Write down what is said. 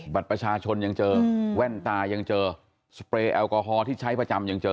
บัตรประชาชนยังเจอแว่นตายังเจอสเปรย์แอลกอฮอลที่ใช้ประจำยังเจอ